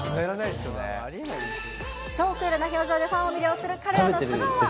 超クールな表情でファンを魅了する彼らの素顔は。